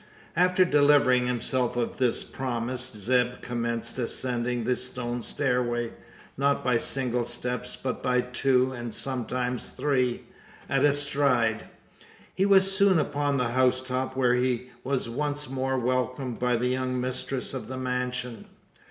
After delivering himself of this promise, Zeb commenced ascending the stone stairway; not by single steps, but by two, and sometimes three, at a stride. He was soon upon the housetop; where he was once more welcomed by the young mistress of the mansion.